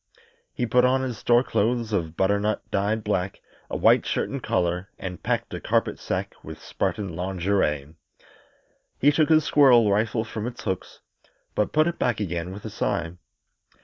He put on his store clothes of butternut dyed black, a white shirt and collar, and packed a carpet sack with Spartan lingerie. He took his squirrel rifle from its hooks, but put it back again with a sigh.